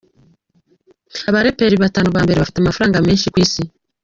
Abaraperi batanu ba mbere bafite amafaranga menshi ku Isi:.